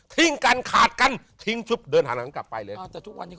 ทิ้งกันขาดกันทิ้งชุบเดินหังหังกลับไปเลย